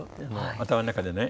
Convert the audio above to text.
頭の中でね